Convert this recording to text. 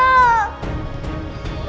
aku akan menang